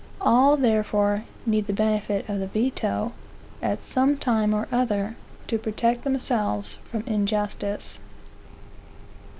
All, therefore, need the benefit of the veto, at some time or other, to protect themselves from injustice.